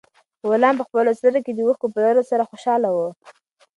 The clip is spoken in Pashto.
غلام په خپلو سترګو کې د اوښکو په لرلو سره خوشاله و.